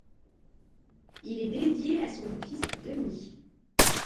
Il est dédié à son fils Denis.